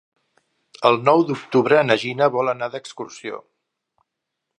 El nou d'octubre na Gina vol anar d'excursió.